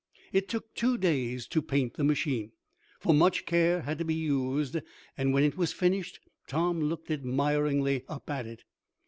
It took two days to paint the machine, for much care had to be used, and, when it was finished Tom looked admiringly up at it.